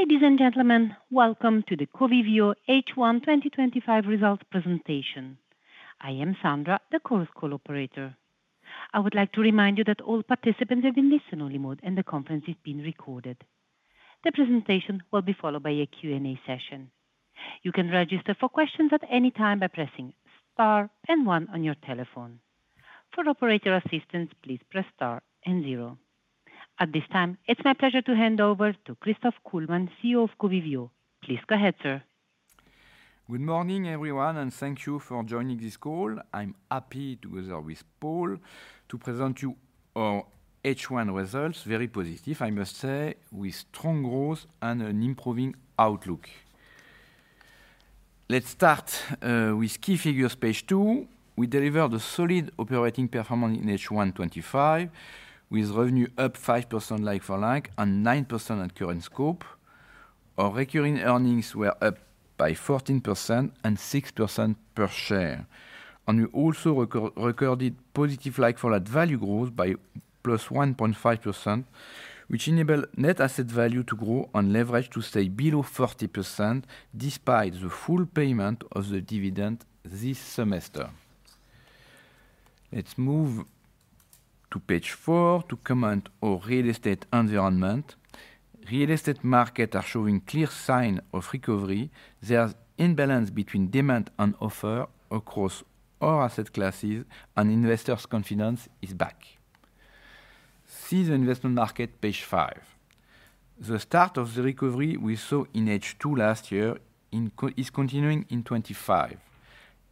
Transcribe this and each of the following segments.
Ladies and gentlemen, welcome to the Covivio H1 twenty twenty five Results Presentation. I am Sandra, the Chorus Call operator. At this time, it's my pleasure to hand over to Christophe Kuhlman, CEO of Covivio. Please go ahead, sir. Good morning, everyone, and thank you for joining this call. I'm happy with Paul to present you our H1 results, very positive I must say, with strong growth and an improving outlook. Let's start with key figures page two. We delivered a solid operating performance in H1 twenty twenty five with revenue up 5% like for like and 9% at current scope. Our recurring earnings were up by 146% per share. And we also recorded positive like for like value growth by plus 1.5%, which enabled net asset value to grow and leverage to stay below 40% despite the full payment of the dividend this semester. Let's move to Page four to comment on real estate environment. Real estate markets are showing clear signs of recovery. There's imbalance between demand and offer across all asset classes, and investors' confidence is back. See the investment market, Page five. The start of the recovery we saw in H2 last year is continuing in 2025.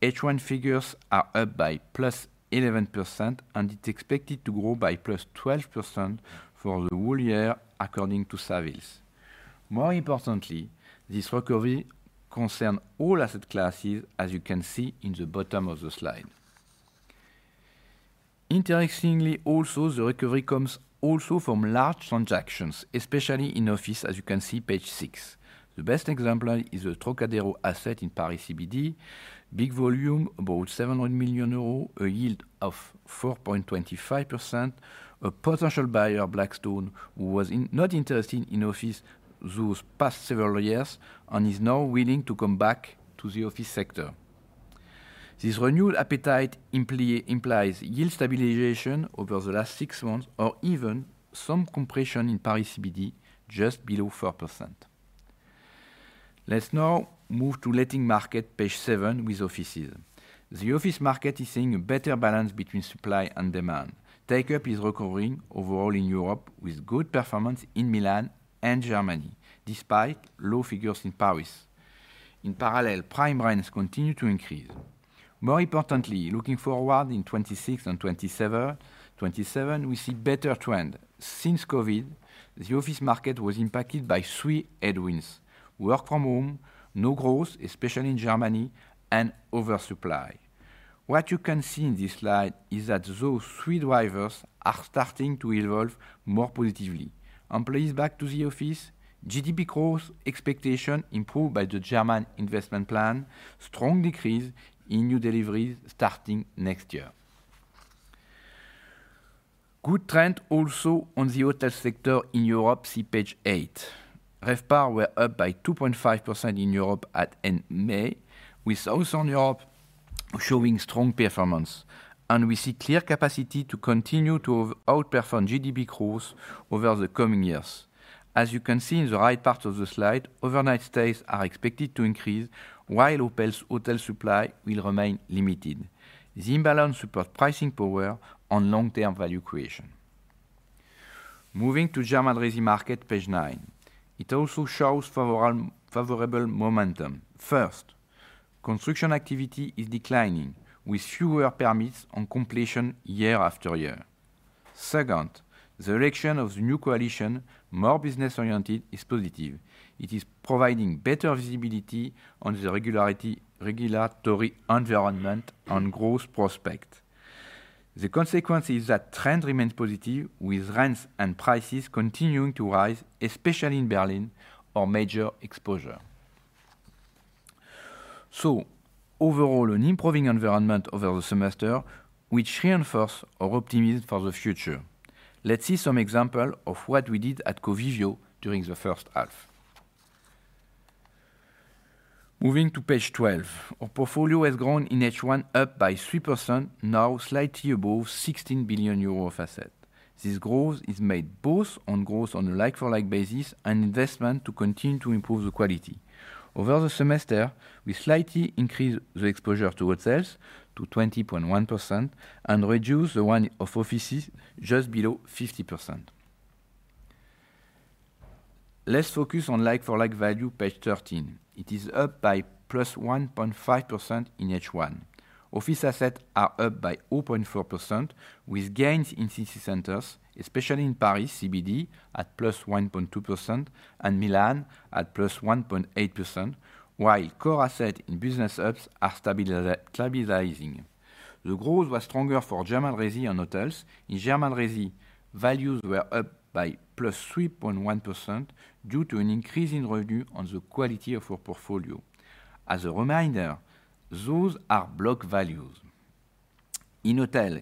H1 figures are up by plus 11% and is expected to grow by plus 12% for the whole year according to service. More importantly, this recovery concerns all asset classes, as you can see in the bottom of the slide. Interestingly also, the recovery comes also from large transactions, especially in office as you can see Page six. The best example is the Trocadero asset in Paris CBD, big volume about €700,000,000 a yield of 4.25%, a potential buyer of Blackstone who was not interested in office those past several years and is now willing to come back to the office sector. This renewed appetite implies yield stabilization over the last six months or even some compression in Paris CBD just below 4%. Let's now move to letting market, Page seven with offices. The office market is seeing a better balance between supply and demand. Take up is recovering overall in Europe with good performance in Milan and Germany despite low figures in Paris. In parallel, prime brands continue to increase. More importantly, looking forward in 2026 and 2027, we see better trend. Since COVID, the office market was impacted by three headwinds: work from home, no growth, especially in Germany and oversupply. What you can see in this slide is that those three drivers are starting to evolve more positively: employees back to the office GDP growth expectation improved by the German investment plan, strong decrease in new deliveries starting next year. Good trend also on the hotel sector in Europe, see Page eight. RevPAR were up by 2.5% in Europe at end May, with Southern Europe showing strong performance. And we see clear capacity to continue to outperform GDP growth over the coming years. As you can see in the right part of the slide, overnight stays are expected to increase while Opel's hotel supply will remain limited. The imbalance supports pricing power and long term value creation. Moving to German resi market, Page nine. It also shows favorable momentum. First, construction activity is declining with fewer permits on completion year after year. Second, the election of the new coalition, more business oriented, is positive. It is providing better visibility on the regulatory environment and growth prospect. The consequence is that trend remains positive with rents and prices continuing to rise, especially in Berlin, our major exposure. So overall, an improving environment over the semester, which reinforce our optimism for the future. Let's see some example of what we did at Covigeo during the first half. Moving to Page 12. Our portfolio has grown in H1, up by 3%, now slightly above €16,000,000,000 of asset. This growth is made both on growth on a like for like basis and investment to continue to improve the quality. Over the semester, we slightly increased the exposure to hotels to 20.1% and reduced the one off offices just below 50%. Let's focus on like for like value, Page 13. It is up by plus 1.5% in H1. Office assets are up by 0.4% with gains in CC centers, especially in Paris CBD at plus 1.2% and Milan at plus 1.8%, while core assets in business hubs are stabilizing. The growth was stronger for German resi and hotels. In German resi, values were up by plus 3.1% due to an increase in revenue on the quality of our portfolio. As a reminder, those are block values. In hotel,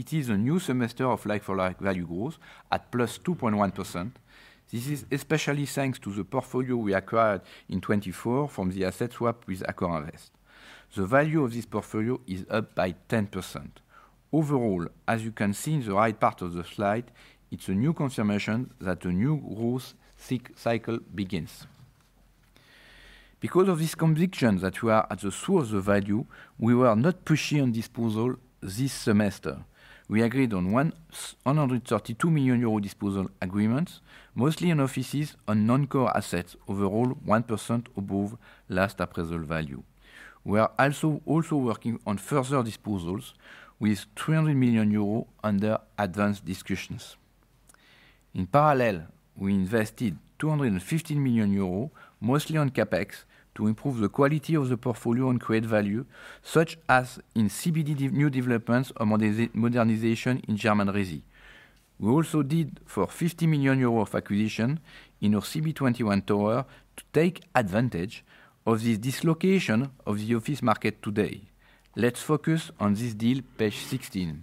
it is a new semester of like for like value growth at plus 2.1%. This is especially thanks to the portfolio we acquired in 2024 from the asset swap with Acornrvest. The value of this portfolio is up by 10%. Overall, as you can see in the right part of the slide, it's a new confirmation that a new growth cycle begins. Because of this conviction that we are at the source of value, we were not pushing on disposal this semester. We agreed on €132,000,000 disposal agreement, mostly in offices and noncore assets, overall 1% above last appraisal value. We are also working on further disposals with €300,000,000 under advanced discussions. In parallel, we invested €215,000,000 mostly on CapEx to improve the quality of the portfolio and create value such as in CBD new developments or modernization in German resi. We also did for €50,000,000 of acquisition in our CB21 tower take advantage of the dislocation of the office market today. Let's focus on this deal, Page 16.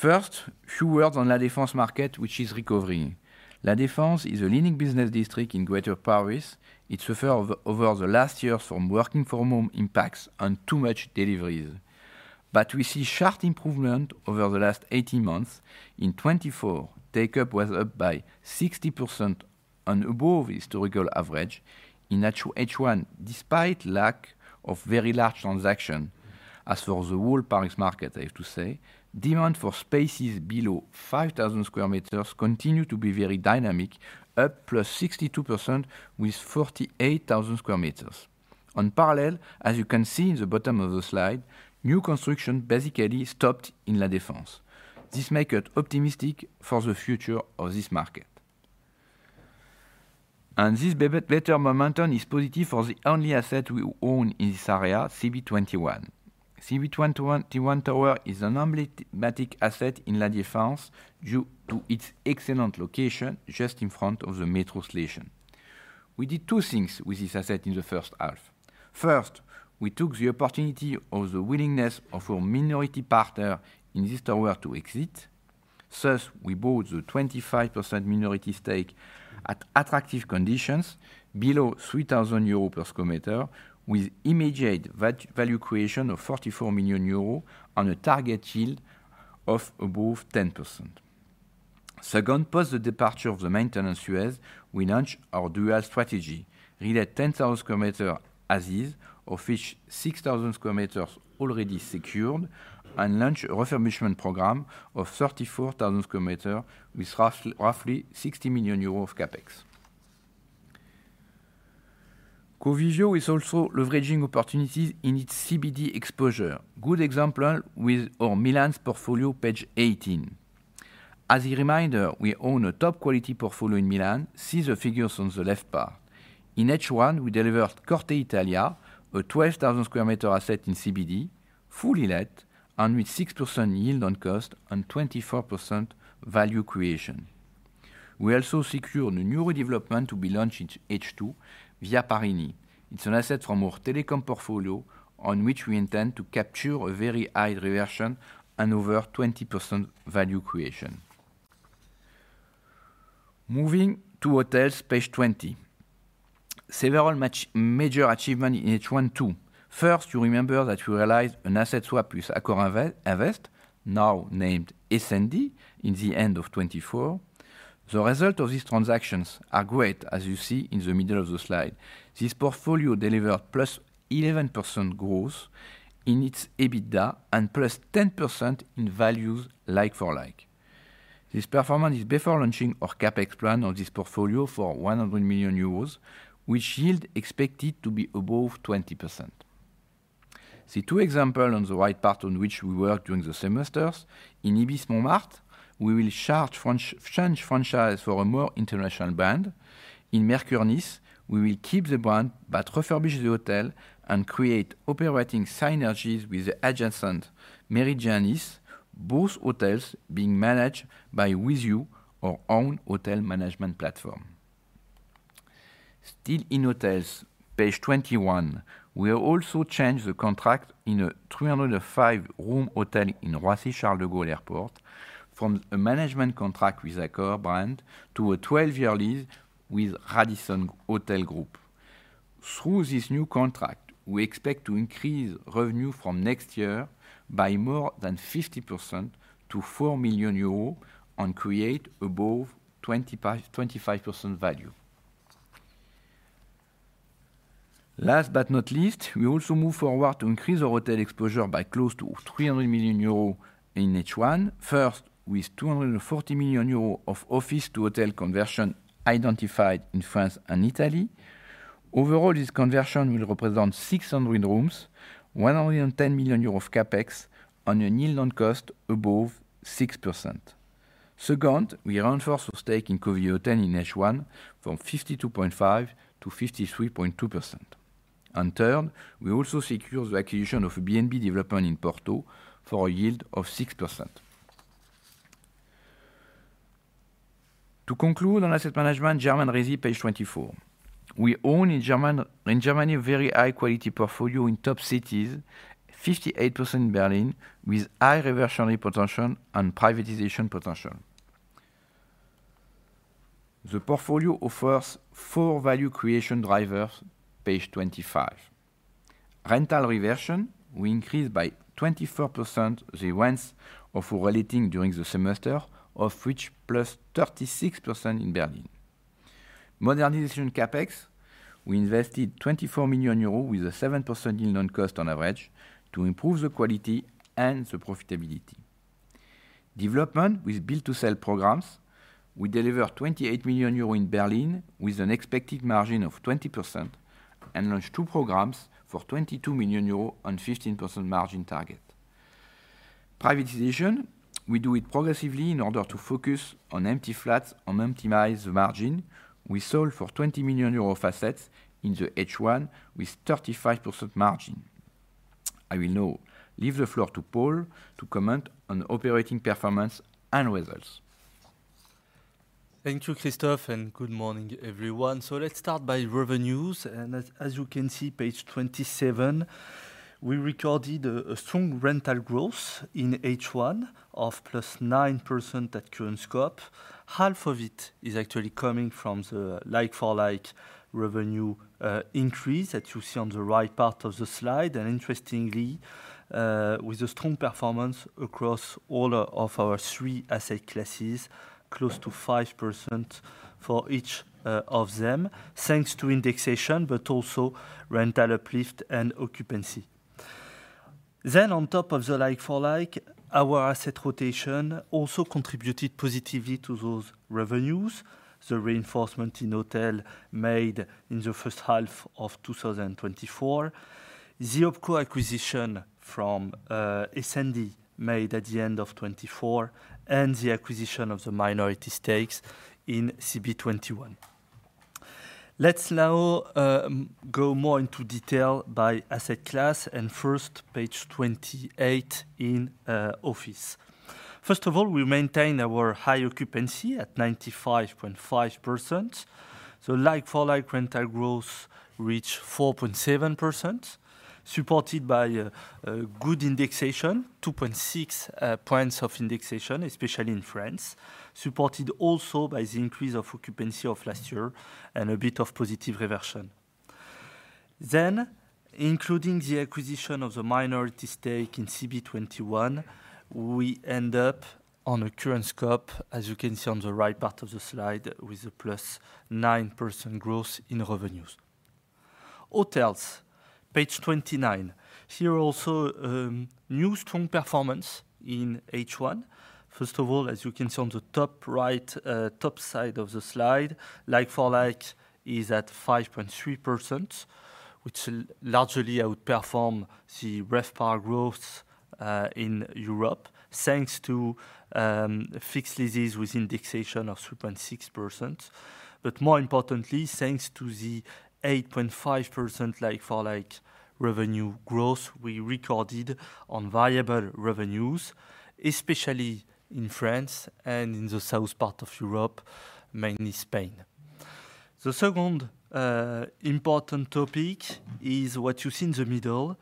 First, a few words on La Market, which is recovering. La Defense is a leading business district in Greater Paris. It's a fair over the last year from working from home impacts and too much deliveries. But we see sharp improvement over the last eighteen months. In 2024, take up was up by 60% and above historical average in H1 despite lack of very large transaction as well as the whole Paris market, have to say. Demand for spaces below 5,000 square meters continue to be very dynamic, up plus 62% with 48,000 square meters. On parallel, as you can see in the bottom of the slide, new construction basically stopped in La Defense. This make us optimistic for the future of this market. And this better momentum is positive for the only asset we own in this area, CB21. CB21 Tower is an emblematic asset in La Defense due to its excellent location just in front of the metro station. We did two things with this asset in the first half. First, we took the opportunity of the willingness of our minority partner in this tower to exit. Thus, we bought 25% minority stake at attractive conditions below €3,000 per square meter with immediate value creation of €44,000,000 on a target yield of above 10%. Second, post the departure of the maintenance U. S, we launched our dual strategy, relay 10,000 square meters as is, of which 6,000 square meters already secured and launched a refurbishment program of 34,000 square meters with roughly €60,000,000 of CapEx. Covisio is also leveraging opportunities in its CBD exposure. Good example with our Milan's portfolio, Page 18. As a reminder, we own a top quality portfolio in Milan. See the figures on the left part. In H1, we delivered Corte Italia, a 12,000 square meter asset in CBD, fully let and with 6% yield on cost and 24% value creation. We also secured a new redevelopment to be launched in H2 via Parisini. It's an asset from our telecom portfolio on which we intend to capture a very high reversion and over 20% value creation. Moving to hotels, Page 20. Several major achievements in H1, too. First, you remember that we realized an asset swap with Acorn Avest, now named SND, in the end of twenty twenty four. The result of these transactions are great, as you see in the middle of the slide. This portfolio delivered plus 11% growth in its EBITDA and plus 10% in values like for like. This performance is before launching our CapEx plan of this portfolio for €100,000,000 which yield expected to be above 20%. The two examples on the right part on which we worked during the semesters: in Yves Montmartre, we will change franchise for a more international brand In Mercury Onis, we will keep the brand but refurbish the hotel and create operating synergies with adjacent, Mary Janis, both hotels being managed by With You, our own hotel management platform. Still in hotels, Page 21, we have also changed the contract in a three zero five room hotel in Rassie Charles De Gaulle Airport from a management contract with Aker brand to a twelve year lease with Radisson Hotel Group. Through this new contract, we expect to increase revenue from next year by more than 50% to €4,000,000 and create above 25% value. Last but not least, we also move forward to increase our hotel exposure by close to €300,000,000 in H1, first with €240,000,000 of office to hotel conversion identified in France and Italy. Overall, this conversion will represent 600 rooms, 110,000,000 of CapEx and a new loan cost above 6%. Second, we ran first of stake in Covio ten in H1 from 52.5 to 53.2%. And third, we also secured the acquisition of a BNB development in Porto for a yield of 6%. To conclude on Asset Management, German resi, Page 24. We own in Germany a very high quality portfolio in top cities, 58% in Berlin, with high reversionary potential and privatization potential. The portfolio offers four value creation drivers, Page 25. Rental reversion, we increased by 24% the events of relating during the semester, of which plus 36% in Berlin. Modernization CapEx, we invested €24,000,000 with a 7% in loan cost on average to improve the quality and the profitability. Development with build to sell programs, we delivered €28,000,000 in Berlin with an expected margin of 20% and launched two programs for €22,000,000 on 15% margin target. Privatization, we do it progressively in order to focus on empty flats and optimize margin. We sold for €20,000,000 of assets in the H1 with 35% margin. I will now leave the floor to Paul to comment on operating performance and results. Thank you, Christophe, and good morning, everyone. So let's start by revenues. And as you can see, Page 27, we recorded a strong rental growth in H1 of plus 9% at current scope. Half of it is actually coming from the like for like revenue increase that you see on the right part of the slide. And interestingly, with a strong performance across all of our three asset classes, close to 5% for each of them, thanks to indexation, but also rental uplift and occupancy. Then on top of the like for like, our asset rotation also contributed positively to those revenues, the reinforcement in hotel made in the first half of twenty twenty four, the Opco acquisition from SND made at the '4 and the acquisition of the minority stakes in CB21. Let's now go more into detail by asset class and first, page 28 in office. First of all, we maintained our high occupancy at 95.5%. So like for like rental growth reached 4.7%, supported by good indexation, 2.6 of indexation, especially in France, supported also by the increase of occupancy of last year and a bit of positive reversion. Then including the acquisition of the minority stake in CB21, we end up on a current scope, as you can see on the right part of the slide, with a plus 9% growth in revenues. Hotels, Page 29. Here also new strong performance in H1. First of all, as you can see on the top right top side of the slide, like for like is at 5.3%, which largely outperformed the RevPAR growth in Europe, thanks to fixed leases with indexation of 3.6%. But more importantly, thanks to the 8.5% like for like revenue growth we recorded on variable revenues, especially in France and in the South Part Of Europe, mainly Spain. The second important topic is what you see in the middle,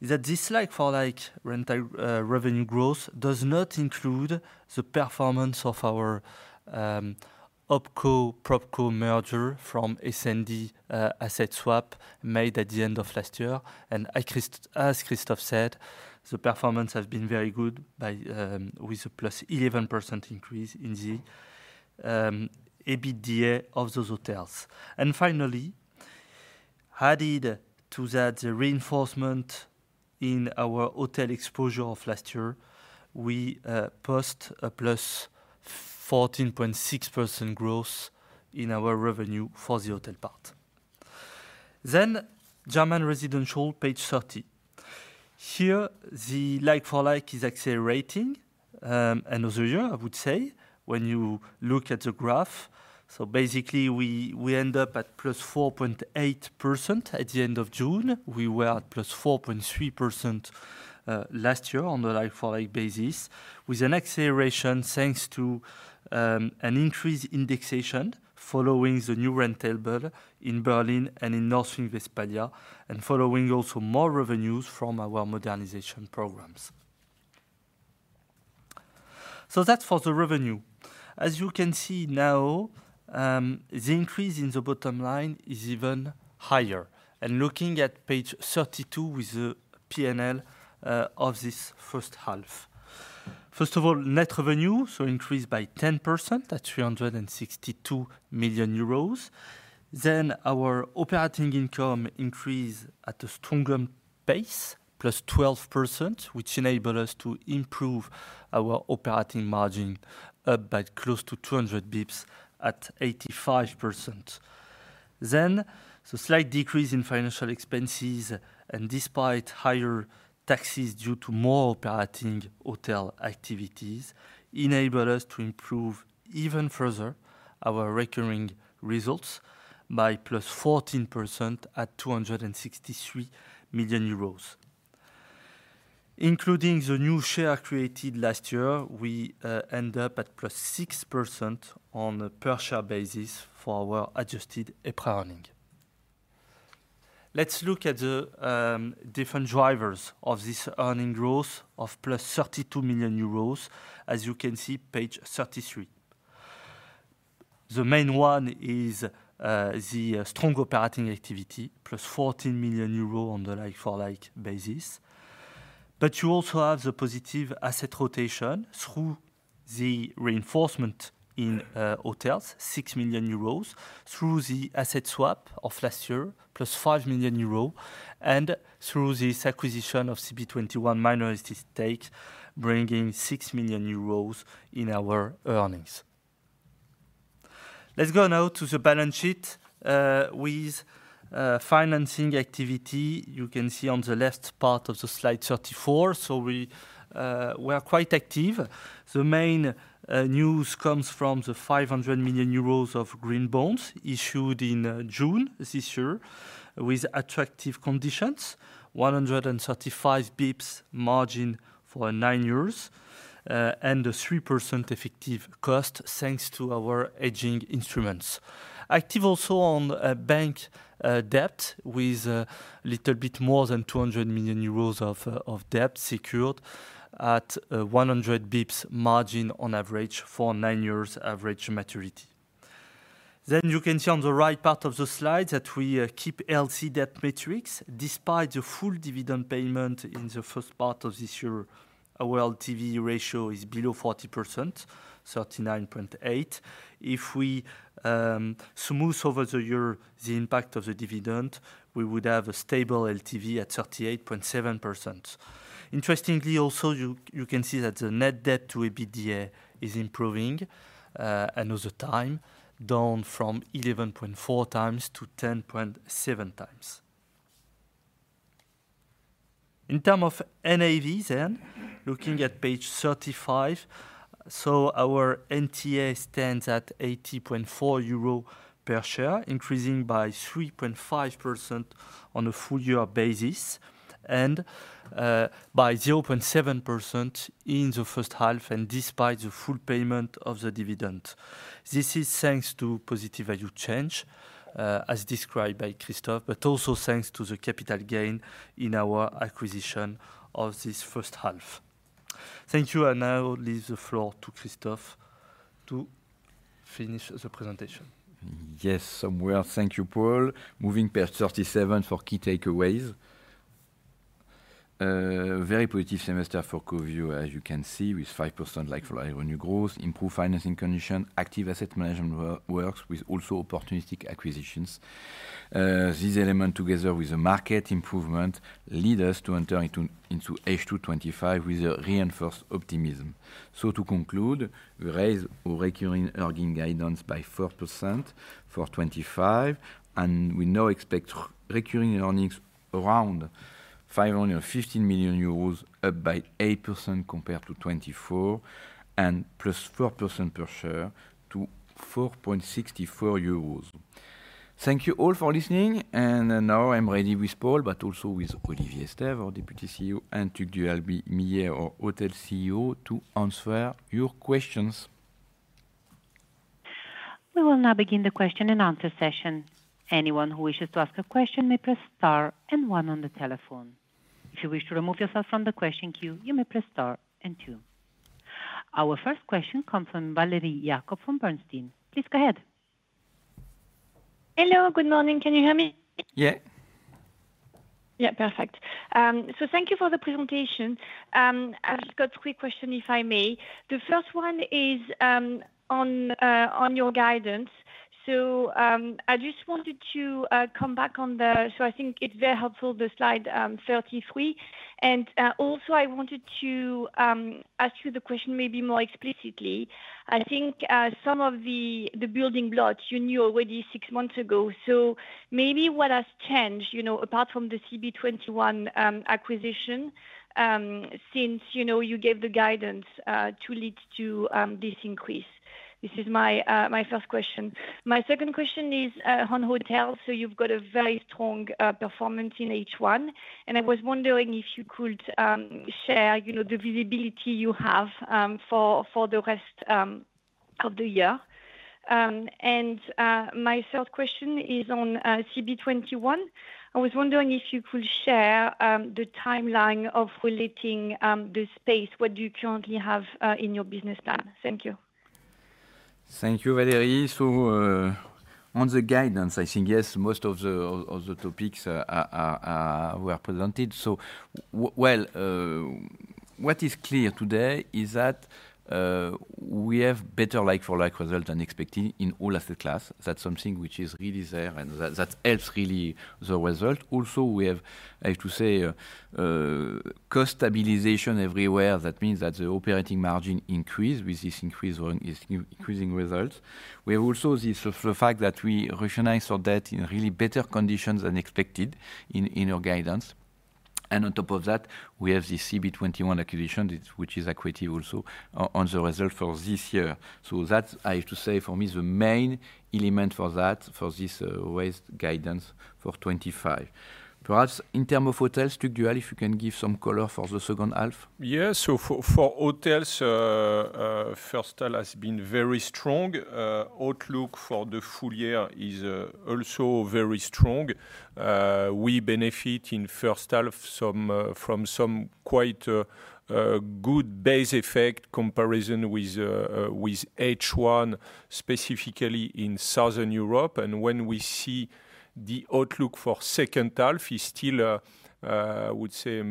is that this like for like revenue growth does not include the performance of our OPCO, PROBCO merger from SND asset swap made at the end of last year. And as Christophe said, the performance has been very good by with a plus 11% increase in the EBITDA of those hotels. And finally, added to that reinforcement in our hotel exposure of last year, we post a plus 14.6% growth in our revenue for the hotel part. Then German Residential, Page 30. Here, the like for like is accelerating. End of the year, I would say, when you look at the graph. So basically, we end up at plus 4.8% at the June. We were at plus 4.3 last year on a like for like basis with an acceleration thanks to an increased indexation following the new rental build in Berlin and in North Vespaglia and following also more revenues from our modernization programs. So that's for the revenue. As you can see now, the increase in the bottom line is even higher. And looking at Page 32 with the P and L of this first half. First of all, net revenue increased by 10% at €362,000,000 Then our operating income increased at a stronger pace, plus 12%, which enabled us to improve our operating margin by close to 200 bps at 85%. Then a slight decrease in financial expenses and despite higher taxes due to more operating hotel activities enabled us to improve even further our recurring results by plus 14% at two sixty three million euros Including the new share created last year, we end up at plus 6% on a per share basis for our adjusted operating. Let's look at the different drivers of this earning growth of plus €32,000,000 as you can see Page 33. The main one is the strong operating activity, plus €14,000,000 on the like for like basis. But you also have the positive asset rotation through the reinforcement in hotels, euros 6,000,000 through the asset swap of last year, plus €5,000,000 and through this acquisition of CB21 minuteority stake, bringing €6,000,000 in our earnings. Let's go now to the balance sheet with financing activity. You can see on the left part of the Slide 34. So we are quite active. The main news comes from the €500,000,000 of green bonds issued in June with attractive conditions, 135 bps margin for nine years and a 3% effective cost, thanks to our hedging instruments. Active also on bank debt with a little bit more than €200,000,000 of debt secured at 100 bps margin on average for nine years average maturity. Then you can see on the right part of the slide that we keep healthy debt metrics. Despite the full dividend payment in the first part of this year, our LTV ratio is below 40%, 39.8%. If we smooth over the year the impact of the dividend, we would have a stable LTV at 38.7%. Interestingly, also, you can see that the net debt to EBITDA is improving another time, down from 11.4x to 10.7x. In terms of NAV then, looking at Page 35. So our NTA stands at €80.4 per share, increasing by 3.5% on a full year basis and by 0.7% in the first half and despite the full payment of the dividend. This is thanks to positive value change, as described by Christophe, but also thanks to the capital gain in our acquisition of this first half. Thank you. I now leave the floor to Christophe to finish the presentation. Yes. Somewhere. Thank you, Paul. Moving to 37 for key takeaways. Very positive semester for Covio, as you can see, with 5% like for like revenue growth, improved financing condition, active asset management works with with also opportunistic acquisitions. These elements together with the market improvement lead us to enter into H2 twenty twenty five with a reinforced optimism. So to conclude, we raised our recurring earnings guidance by 4% for 2025, and we now expect recurring earnings around €515,000,000 up by 8% compared to $2,024,000,000 and plus 4% per share to €4.64 Thank you all for listening. And now I'm ready with Paul, but also with Olivier Stever, our Deputy CEO and Tugues Elbe, Mieux, our hotel CEO, to answer your questions. Our first question comes from Valerie Jakob from Bernstein. Please go ahead. Hello, good morning. Can you hear me? Yes. Yes, perfect. So thank you for the presentation. I've just got three questions, if I may. The first one is on your guidance. So I just wanted to come back on the so I think it's very helpful, the Slide 33. And also I wanted to ask you the question maybe more explicitly. I think some of the building blocks you knew already six months ago. So maybe what has changed apart from the CB21 acquisition since you gave the guidance to lead to this increase? This is my first question. My second question is on hotels. So you've got a very strong performance in H1. And I was wondering if you could share the visibility you have for the rest of the year. And my third question is on CB21. Was wondering if you could share the time line of relating the space, what you currently have in your business plan. Thank you. Thank you, Valerie. So on the guidance, I think, yes, most of the topics were presented. So well, what is clear today is that we have better like for like result than expected in all asset class. That's something which is really there and that helps really the result. Also we have, I have to say, cost stabilization everywhere. That means that the operating margin increased with this increase on increasing results. We have also the fact that we rationalized our debt in really better conditions than expected in our guidance. And on top of that, we have the CB21 acquisition, which is accretive also on the result for this year. So that's, I have to say, for me is the main element for that for this Waste guidance for '25 Perhaps in terms of hotels, Tuggela, if you can give some color for the second half? Yes. So for hotels, first half has been very strong. Outlook for the full year is also very strong. We benefit in first half from some quite good base effect comparison with H1 specifically in Southern Europe. And when we see the outlook for second half is still, I would say,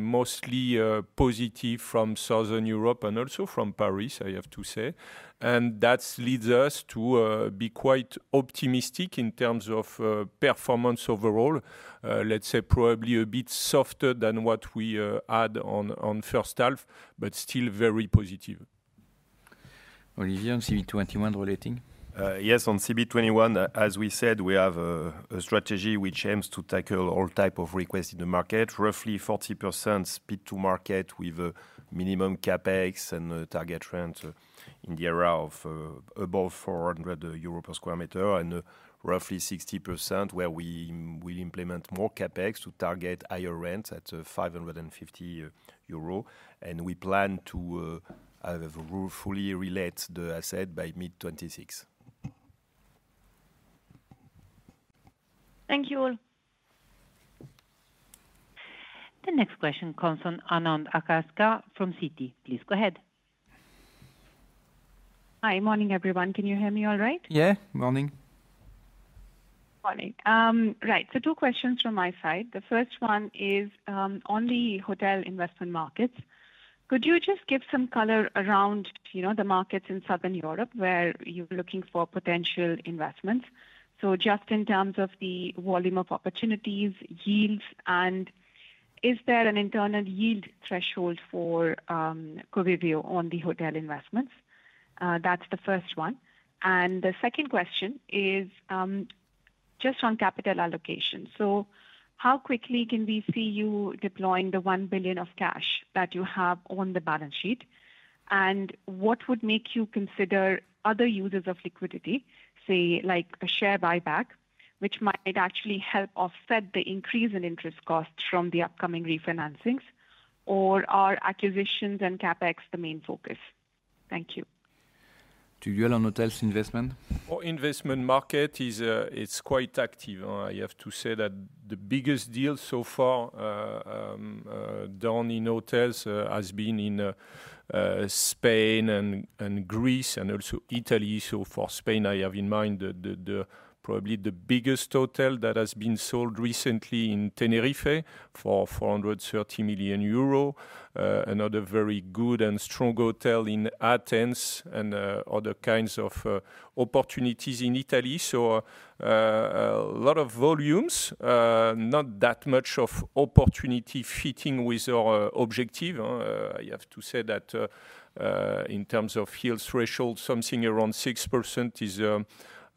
positive from Southern Europe and also from Paris, I have to say. And that leads us to be quite optimistic in terms of performance overall, let's say, a bit softer than what we had on first half, but still very positive. Olivier, on CB21 relating? Yes. On CB21, as we said, we have a strategy which aims to tackle all type of requests in the market, roughly 40% speed to market with minimum CapEx and target trends in the area of above €400 per square meter and roughly 60% where we implement more CapEx to target higher rents at €550 and we plan to fully relate the asset by mid-twenty twenty six. Thank you all. The next question comes from Anand Akashkar from Citi. Please go ahead. Hi, morning everyone. Can you hear me all right? Yes, good morning. Good morning. Right. So two questions from my side. The first one is on the hotel investment markets. Could you just give some color around the markets in Southern Europe where you're looking for potential investments? So just in terms of the volume of opportunities, yields and is there an internal yield threshold for Covivio on the hotel investments? That's the first one. And the second question is just on capital allocation. So how quickly can we see you deploying the $1,000,000,000 of cash that you have on the balance sheet? And what would make you consider other uses of liquidity, say like a share buyback, which might actually help offset the increase in interest costs from the upcoming refinancings? Or are acquisitions and CapEx the main focus? Thank you. To Joel and Hotels investment? Our investment market I have to say that the biggest deal so far done in hotels has been in Spain and Greece and also Italy. So for Spain, I have in mind probably the biggest hotel that has been sold recently in Tenerefe for €430,000,000 another very good and strong hotel in Athens and other kinds of opportunities in Italy. So lot of volumes, not that much of opportunity fitting with our objective. I have to say that in terms of yield threshold, something around 6% is,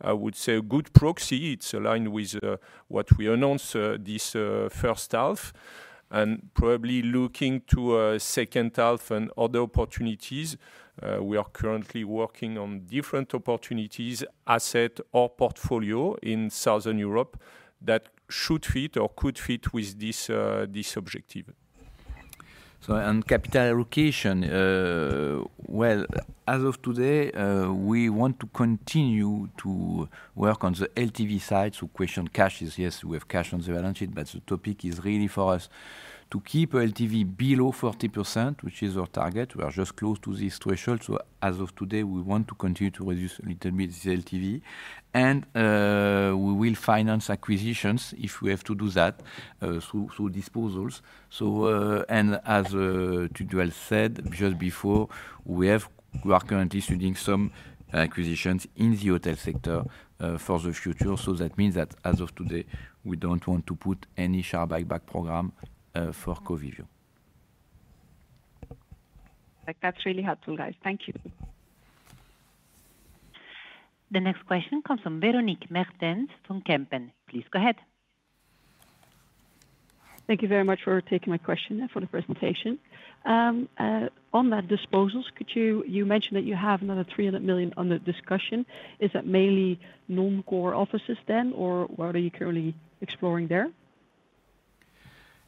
I would say, a good proxy. It's aligned with what we announced this first half. And probably looking to second half and other opportunities, we are currently working on different opportunities, asset or portfolio in Southern Europe that should fit or could fit with this objective. So on capital allocation, well, as of today, we want to continue to work on the LTV side. So question cash is yes, we have cash on the balance sheet, but the topic is really for us to keep LTV below 40%, which is our target. We are just close to this threshold. So as of today, we want to continue to reduce a little bit the LTV. And we will finance acquisitions if we have to do that through disposals. So and as Tiduel said just before, we have we are currently shooting some acquisitions in the hotel sector for the future. So that means that as of today, we don't want to put any share buyback program for Covivion. That's really helpful, guys. Thank you. The next question comes from Veronik Mehtaens from Kempen. Please go ahead. Thank you very much for taking my question and for the presentation. On that disposals, could you you mentioned that you have another €300,000,000 under discussion. Is that mainly non core offices then? Or what are you currently exploring there?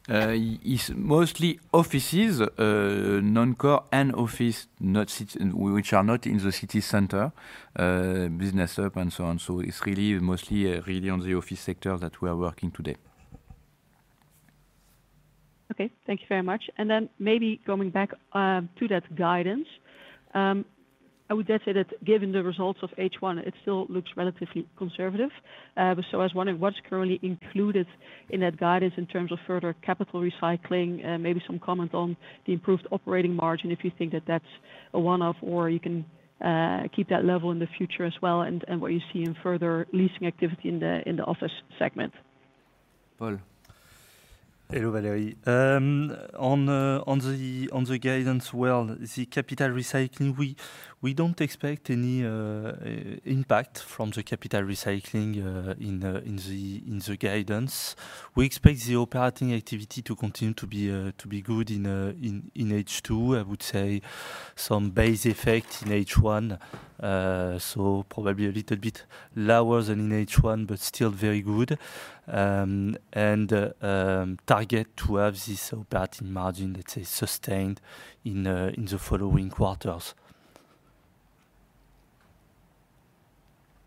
It's mostly offices, non core and office, which are not in the city center business up and so on. So it's really mostly really on the office sector that we are working today. Okay. And then maybe going back to that guidance. Would say that given the results of H1, it still looks relatively conservative. So I was wondering what's currently included in that guidance in terms of further capital recycling, maybe some comment on the improved operating margin, if you think that that's a one off or you can keep that level in the future as well and what you see in further leasing activity in the office segment. Paul? Hello, Valerie. On the guidance, capital recycling, we don't expect any impact from the capital recycling in the guidance. We expect the operating activity to continue to be good in H2, I would say, some base effect in H1, so probably a little bit lower than in H1, but still very good. And target to have this operating margin, let's say, sustained in the following quarters.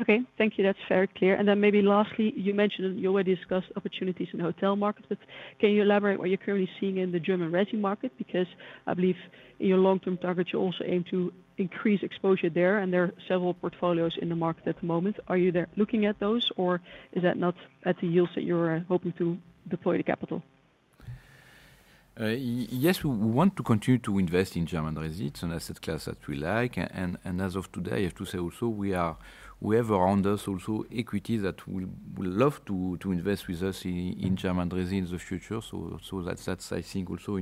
Okay. That's very clear. And then maybe lastly, you mentioned you already discussed opportunities in the hotel market. But can you elaborate what you're currently seeing in the German resi market? Because I believe your long term targets also aim to increase exposure there and there are several portfolios in the market at the moment. Are you there looking at those? Or is that not at the yields that you're hoping to deploy the capital? Yes. We want to continue to invest in German resi. It's an asset class that we like. And as of today, have to say also we are we have around us also equity that we love to invest with us in German resi in the future. That's, I think, also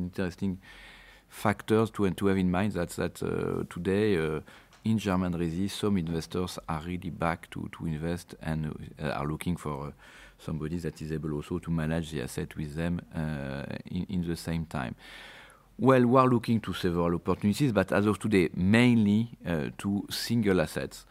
factors to have in mind that today in Germany some investors are really back to invest and are looking for somebody that is able also to manage the asset with them in the same time. Well, we are looking to several opportunities, but as of today, two single assets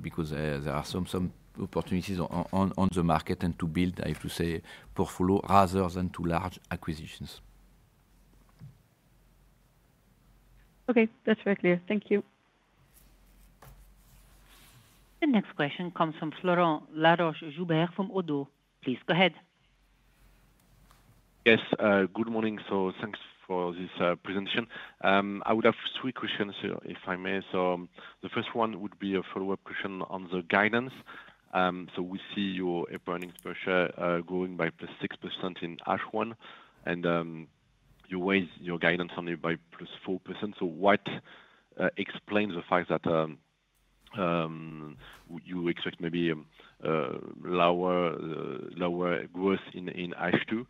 because there are some opportunities on the market and to build, I have to say, portfolio other than two large acquisitions. Okay. That's very clear. Thank you. The next question comes from Florent Laroche Joubert from ODDO. Please go ahead. Yes. Good morning. So thanks for this presentation. I would have three questions, if I may. So the first one would be a follow-up question on the guidance. So we see your earnings per share growing by plus 6% in H1 and you raised your guidance only by plus 4%. So what explains the fact that you expect maybe lower growth in ASH two?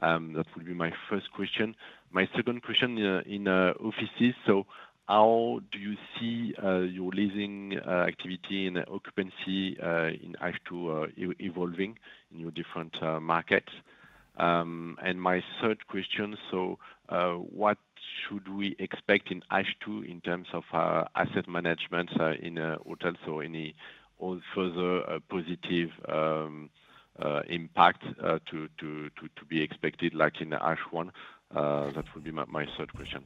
That will be my first question. My second question in offices. So how do you see your leasing activity in occupancy in HIF2 evolving in your different markets? And my third question, so what should we expect in ASH two in terms of asset management in hotels or any further positive impact to be expected like in the H1? That would be my third question.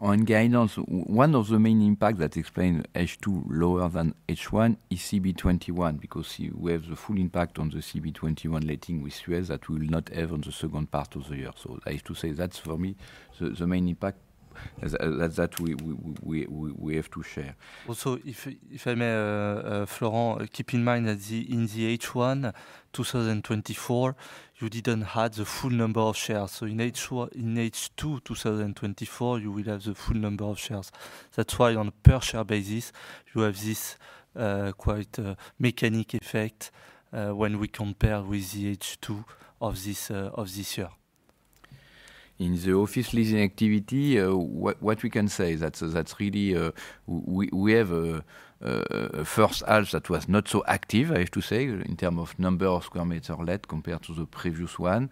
On guidance, of the main impact that explains H2 lower than H1 is CB21 because we have the full impact on the CB21 letting we stress that we will not have on the second part of the year. I have to say that's for me the main impact that we have to share. Also, if I may, Florent, keep in mind that in the H1 twenty twenty four, you didn't have the full number of shares. So in H2 twenty twenty four, you will have the full number of shares. That's why on a per share basis, you have this quite mechanic effect when we compare with the H2 of this year. In the office leasing activity, what we can say is that really we have first half that was not so active, I have to say, in terms of number of square meters OLED compared to the previous one.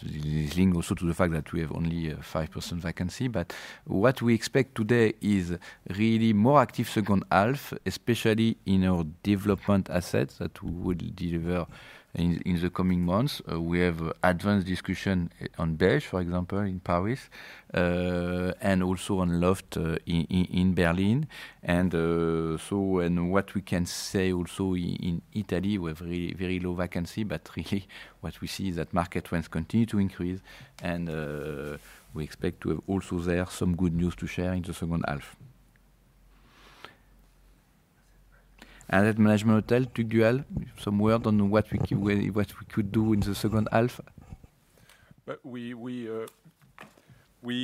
Is also to the fact that we have only 5% vacancy. But what we expect today is really more active second half, especially in our development assets that we would deliver in the coming months. We have advanced discussion on Bech, for example, in Paris and also on Loft in Berlin. And so and what we can say also in Italy, have very low vacancy, but really what we see is that market trends continue to increase and we expect to have also there some good news to share in the second half. Asset Management Hotel to Guale, some word on what could do in the second half? We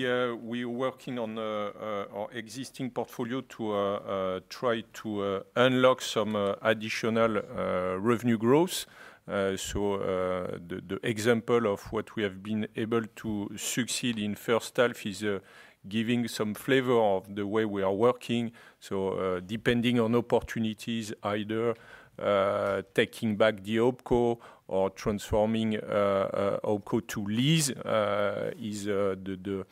are working on our existing portfolio to try to unlock some additional revenue growth. So the example of what we have been able to succeed in first half is giving some flavor of the way we are working. So depending on opportunities either taking back the OpCo or transforming OpCo to lease is the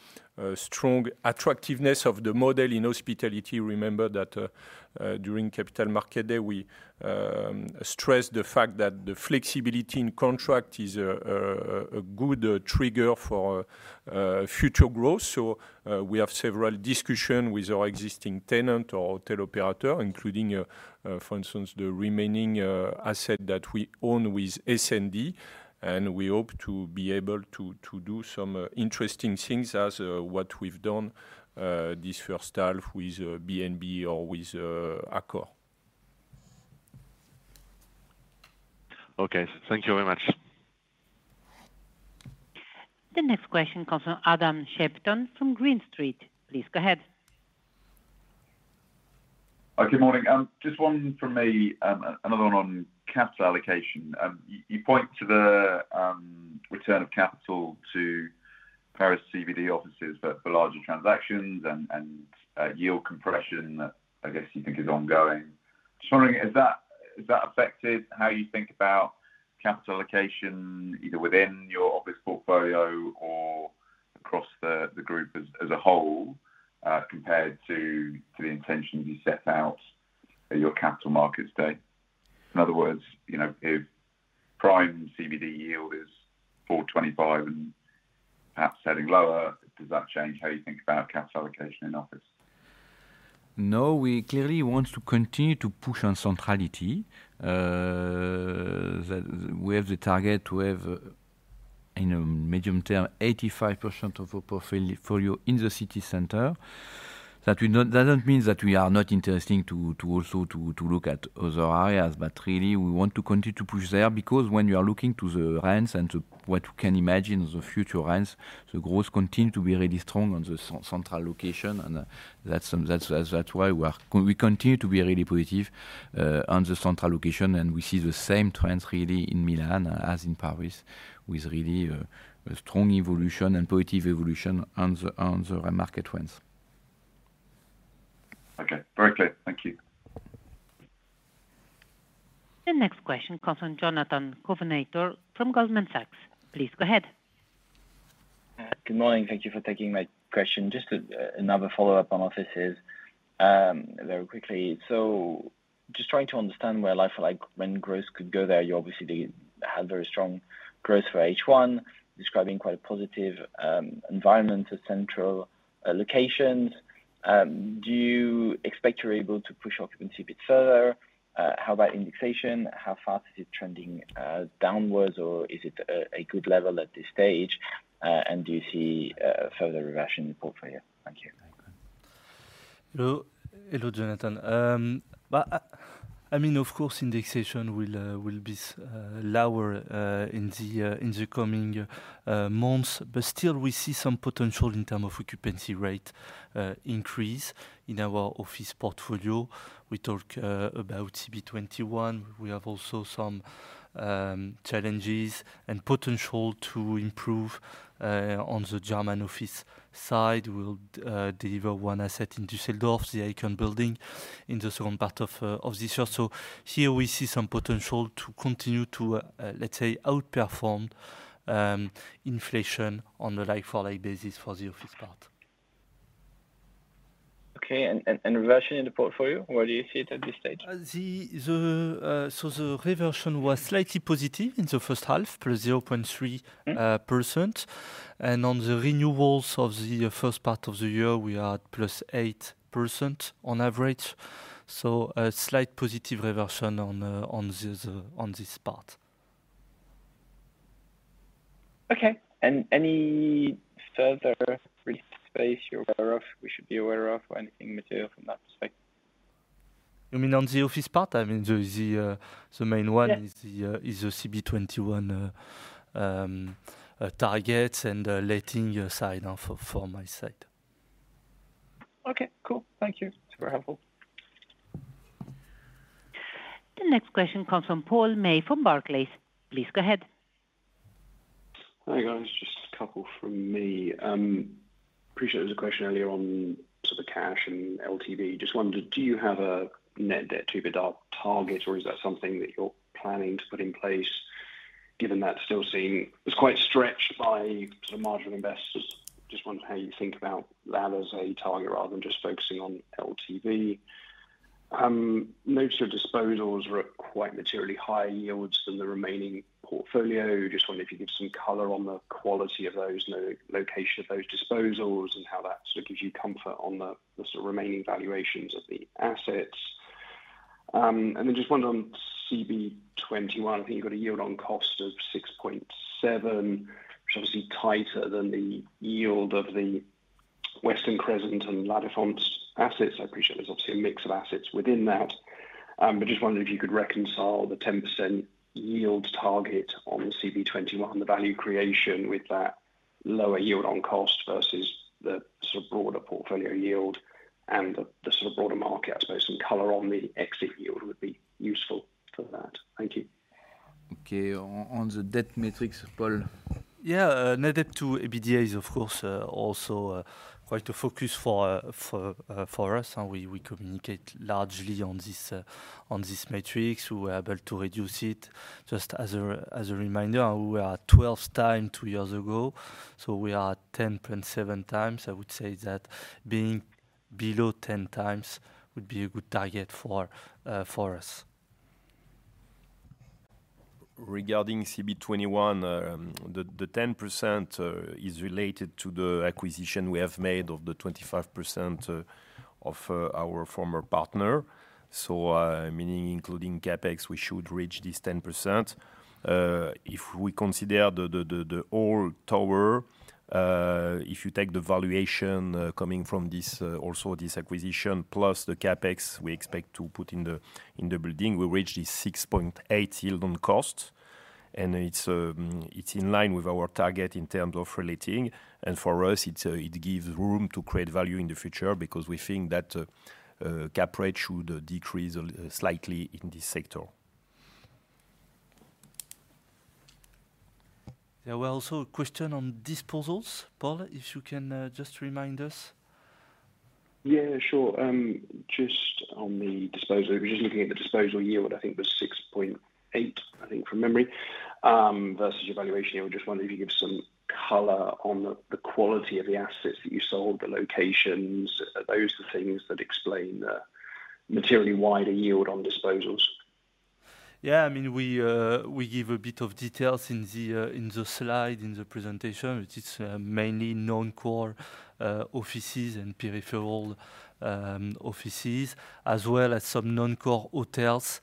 strong attractiveness of the model in hospitality. Remember that during Capital Market Day, stressed the fact that the flexibility in contract is a good trigger for future growth. So we have several discussion with existing tenant or teleoperator including, for instance, the remaining asset that we own with SND and we hope to be able to do some interesting things as what we've done this first half with BNB or with Accor. Okay. Thank you very much. The next question comes from Adam Shepton from Green Street. Please go ahead. Good morning. Just one for me, another one on capital allocation. You point to the return of capital to Paris CBD offices for larger transactions and yield compression, I guess, you think is ongoing. Just wondering, is that affected how you think about capital allocation either within your office portfolio or across the group as a whole compared to the intention you set out at your Capital Markets Day? In other words, if prime CBD yield is 4.25% and perhaps heading lower, does that change how you think about capital allocation in office? No. We clearly want to continue to push on centrality. We have the target to have, in the medium term, 85% of our portfolio in the city center. That doesn't mean that we are not interesting to also to look at other areas, but really we want to continue to push there because when you are looking to the rents and to what you can imagine as a future rents, the growth continues to be really strong on the central location and that's why we continue to be really positive on the central location, and we see the same trends really in Milan as in Paris with really a strong evolution and positive evolution on the market trends. The next question comes from Jonathan Covenator from Goldman Sachs. Just another follow-up on Offices very quickly. So just trying to understand where like for like when growth could go there. You obviously had very strong growth for H1 describing quite a positive environment to central locations. Do you expect you're able to push occupancy a bit further? How about indexation? How fast is it trending downwards? Or is it a good level at this stage? And do you see further reversion in the portfolio? Thank you. Hello, Jonathan. I mean, of course, indexation will be lower in the coming months. But still, we see some potential in terms of occupancy rate increase in our office portfolio. We talked about CB21. We have also some challenges and potential to improve on the German office side. We'll deliver one asset in Dusseldorf, the Aecon Building in the second part of this year. So here we see some potential to continue to, let's say, outperform inflation on a like for like basis for the office part. Okay. And reversion in the portfolio, where do you see it at this stage? So the reversion was slightly positive in the first half, plus 0.3%. And on the renewals of the first part of the year, we are at plus 8% on average. So a slight positive reversion on this part. Okay. And any further risk space you're aware of we should be aware of or anything material from that perspective? You mean on the office part? I mean the main one is the CB21 target and letting you sign off from my side. Okay, cool. Thank you. It's very helpful. The next question comes from Paul May from Barclays. Please go ahead. Hi, guys. Just a couple from me. I appreciate there was a question earlier on sort of cash and LTV. Just wondered, do you have a net debt to EBITDA target? Or is that something that you're planning to put in place given that still seem it's quite stretched by sort of marginal investors? Just wondering how you think about that as a target rather than just focusing on LTV. Notes of disposals were quite materially higher yields than the remaining portfolio. Just wondering if you could give some color on the quality of those location of those disposals and how that sort gives you comfort on the sort of remaining valuations of the assets. And then just one on CB21, I think you've a yield on cost of 6.7%, which obviously tighter than the yield of the Western Crescent and La Defense assets. I appreciate there's obviously a mix of assets within that. But just wondering if you could reconcile the 10% yield target on the CB21, the value creation with that lower yield on cost versus the sort of broader portfolio yield and the sort of broader market? Suppose some color on the exit yield would be useful for that. Okay. On the debt metrics, Paul? Yes. Net debt to EBITDA is, of course, also quite a focus for us, and we communicate largely on these metrics. We were able to reduce it. Just as a reminder, we are 12 times two years ago, So we are 10.7 times. I would say that being below 10 times would be a good target for us. Regarding CB21, the 10% is related to the acquisition we have made of the 25% of our former partner. So meaning including CapEx, we should reach this 10%. If we consider the old tower, if you take the valuation coming from this also this acquisition plus the CapEx we expect to put in the building, we reached the 6.8% yield on cost. And it's in line with our target in terms of relating. And for us, it gives room to create value in the future because we think that cap rate should decrease slightly in this sector. There were also a question on disposals. Paul, if you can just remind us. Yes, sure. Just on the disposal, if you're just looking at the disposal yield, I think, was 6.8%, I think, from memory versus your valuation. Was just wondering if you could give some color on the quality of the assets that you sold, the locations. Are those the things that explain materially wider yield on disposals? Yes. I mean we give a bit of details in the slide in the presentation, which is mainly noncore offices and peripheral offices as well as some noncore hotels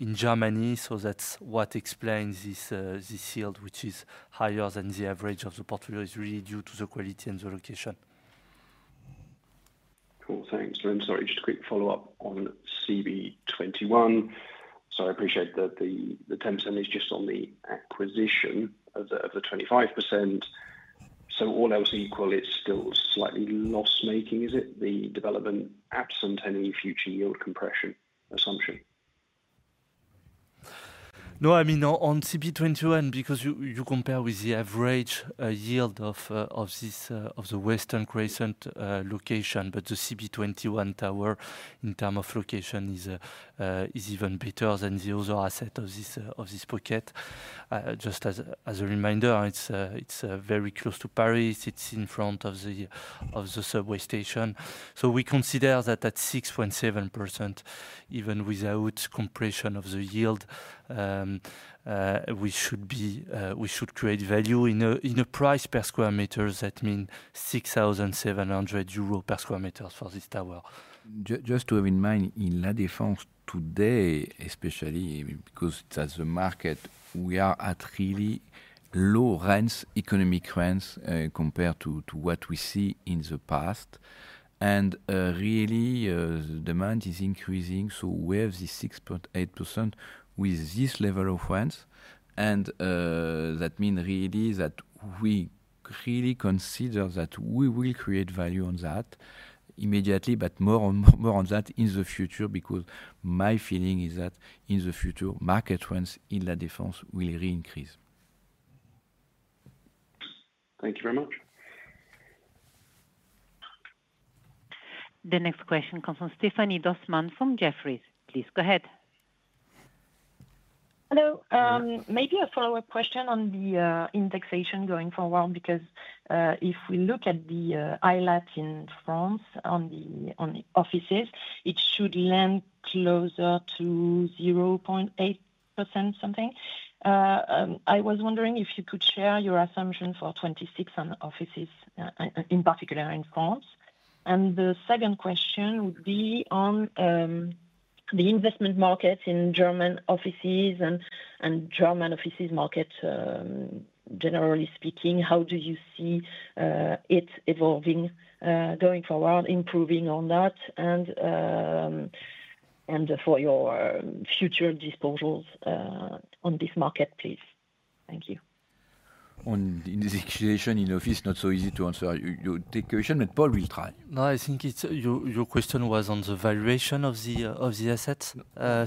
in Germany. So that's what explains this yield, which is higher than the average of the portfolio. It's really due to the quality and the location. Cool. And then sorry, just a quick follow-up on CV21. So I appreciate that the 10% is just on the acquisition of the 25%. So all else equal, it's still slightly loss making, is it, the development absent any future yield compression assumption? No. I mean, on CB21, because you compare with the average yield of this of the Western Crescent location, but the CB21 Tower in term of location is even better than the other asset of this pocket. Just as a reminder, it's very close to Paris. It's in front of the subway station. So we consider that at 6.7%, even without compression of the yield, should be we should create value in a price per square meter. That means €6,700 per square meter for this tower. Just to have in mind, in La Defense today, especially because as a market, we are at really low rents, economic rents compared to what we see in the past. And really, the demand is increasing, so we have the 6.8% with this level of rent. And that means really that we really consider that we will create value on that immediately, but more on that in the future because my feeling is that in the future, market trends in La Defense will increase. Thank you very much. The next question comes from Stefanie Dossmann from Jefferies. Please go ahead. Hello. Maybe a follow-up question on the indexation going forward because if we look at the ILAT in France on the offices, it should land closer to 0.8% something. I was wondering if you could share your assumption for 26% on the offices, in particular, in France? And the second question would be on the investment markets in German offices and German offices market, generally speaking, how do you see it evolving going forward, improving on that and for your future disposals on this market, please? Thank you. On the situation in office, not so easy to answer your question, but Paul will try. No, I think your question was on the valuation of the assets. No. On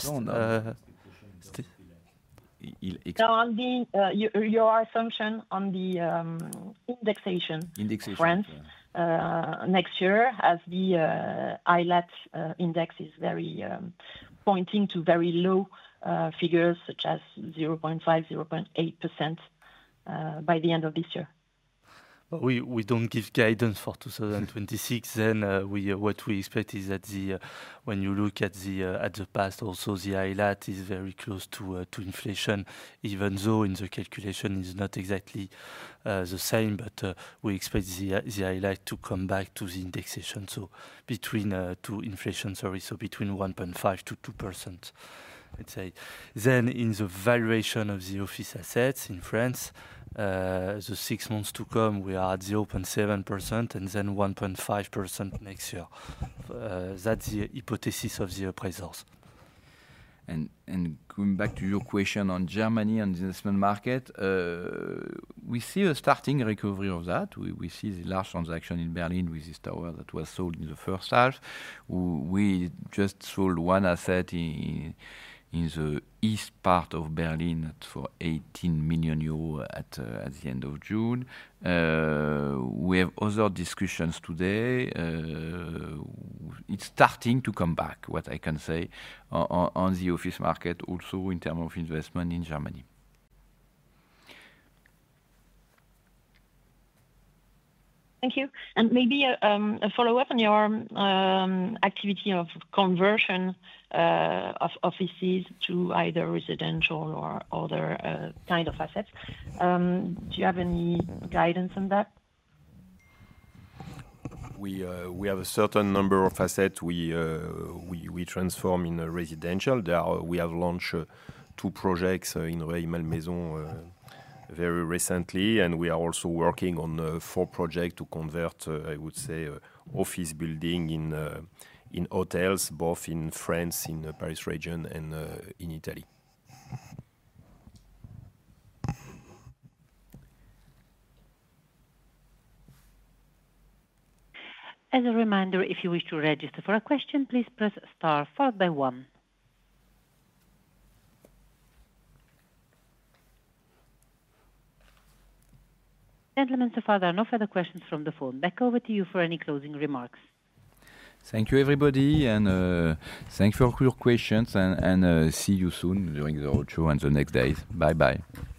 the your assumption on the indexation, next year as the ILETS index is very pointing to very low figures such as 0.5%, 0.8% by the end of this year. We don't give guidance for 2026. And what we expect is that the when you look at past, also the ILAT is very close to inflation, even though in the calculation, it's not exactly the same, but we expect the highlight to come back to the indexation, so between to inflation, sorry, so between 1.5% to 2%, let's say. Then in the valuation of the office assets in France, the six months to come, we are at 0.7% and then 1.5% next year. That's the hypothesis of the appraisals. And going back to your question on Germany and the investment market, we see a starting recovery of that. We see the last transaction in Berlin with this tower that was sold in the first half. We just sold one asset in the East Part Of Berlin for €18,000,000 at the June. We have other discussions today. It's starting to come back, what I can say, on the office market also in terms of investment in Germany. Thank you. And maybe a follow-up on your activity of conversion of offices to either residential or other kind of assets. Do you have any guidance on that? We have a certain number of assets we transform in residential. We have launched two projects in very recently, and we are also working on four projects to convert, I would say, office building in hotels, both in France, in the Paris region and in Italy. Gentlemen, so far, there are no further questions from the phone. Back over to you for any closing remarks. Thank you, everybody, and thanks for your and see you soon during the roadshow and the next day. Bye bye. Thank you.